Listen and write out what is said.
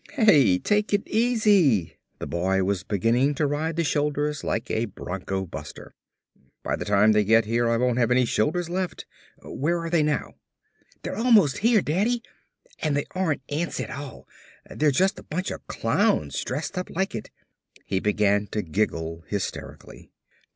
"Hey, take it easy!" The boy was beginning to ride the shoulders like a bronco buster. "By the time they get here I won't have any shoulders left. Where are they now?" "They're almost here, Daddy! And they aren't ants at all. They're just a bunch of clowns dressed up like it." He began to giggle hysterically.